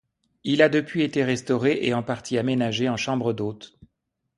Il a depuis été restauré et une partie aménagée en chambres d’hôtes.